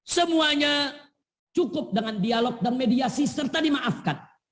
semuanya cukup dengan dialog dan mediasi serta dimaafkan